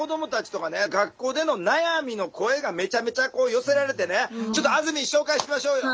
学校での悩みの声がめちゃめちゃ寄せられてねちょっとあずみん紹介しましょうよ。